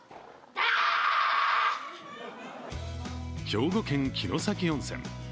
兵庫県・城崎温泉。